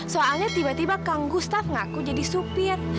soalnya tiba tiba kang gustaf ngaku jadi supir